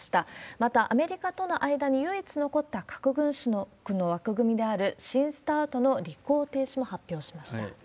また、アメリカとの間に唯一残った核軍縮の枠組みである新ＳＴＡＲＴの履行停止も発表しました。